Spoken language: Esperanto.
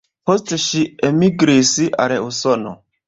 Poste ŝi elmigris al Usono.